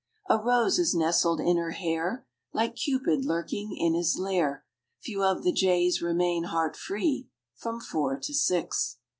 A rose is nestled in her hair, Like Cupid lurking in his lair— Few of the jays remain heart free From four to six.